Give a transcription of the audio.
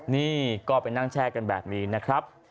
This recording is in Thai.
นี่ก็ไปนั่งแช่กันแบบนี้นะครับ